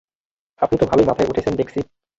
আপনি তো ভালোই মাথায় উঠছেন দেখছি।